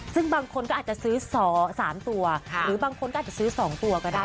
ซึ่งบางคนก็อาจจะซื้อ๒๓ตัวหรือบางคนก็อาจจะซื้อ๒ตัวก็ได้